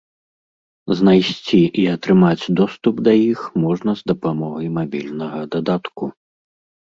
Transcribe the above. Знайсці і атрымаць доступ да іх можна з дапамогай мабільнага дадатку.